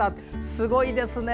すごいですね。